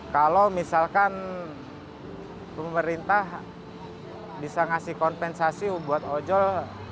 kalau misalkan pemerintah bisa ngasih kompensasi buat ojol